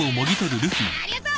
ありがとう！